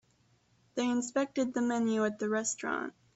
They inspected the menu at the restaurant.